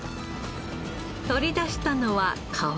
取り出したのは皮。